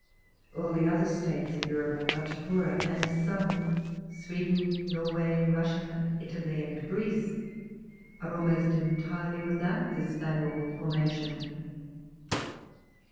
Ah 1 the other States of Europe are much poorer, and some, Sweden, Norway, Russia, Italy and Greece, are almost entirely without this valuable formation.